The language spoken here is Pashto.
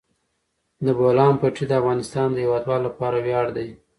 د بولان پټي د افغانستان د هیوادوالو لپاره ویاړ دی.